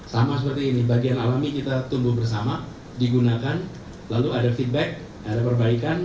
sama seperti ini bagian alami kita tumbuh bersama digunakan lalu ada feedback ada perbaikan